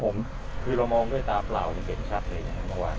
พี่ด๊วยเรามองด้วยตาเปล่าเห็นชัดอะไรบ้าง